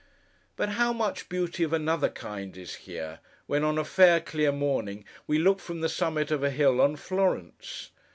But, how much beauty of another kind is here, when, on a fair clear morning, we look, from the summit of a hill, on Florence!